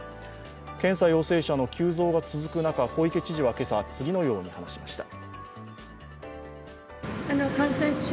検査陽性者の急増が続く中、小池知事は今朝、次のように話しました。